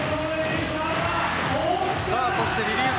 そしてリリーフ